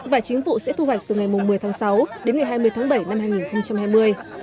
vải chính vụ sẽ thu hoạch từ ngày một mươi tháng sáu đến ngày hai mươi tháng bảy năm hai nghìn hai mươi